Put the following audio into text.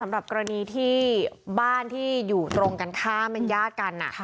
สำหรับกรณีที่บ้านที่อยู่ตรงกันข้ามเป็นญาติกัน